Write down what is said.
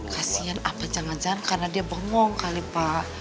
kasian apa jangan jangan karena dia bohong kali pak